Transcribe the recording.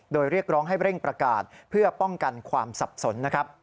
โดยเรียกร้องให้เร่งประกาศเพื่อป้องกันความสับสนนะครับ